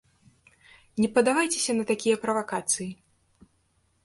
Не паддавайцеся на такія правакацыі.